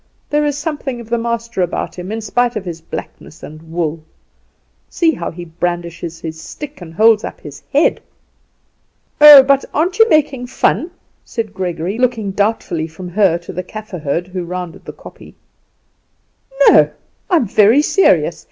There is something of the master about him in spite of his blackness and wool. See how he brandishes his stick and holds up his head!" "Oh, but aren't you making fun?" said Gregory, looking doubtfully from her to the Kaffer herd, who rounded the kopje. "No; I am very serious.